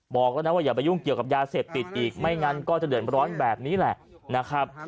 บอกแล้วนะว่าอย่าไปยุ่งเกี่ยวกับยาเสพติดอีกไม่งั้นก็จะเดือดร้อนแบบนี้แหละนะครับ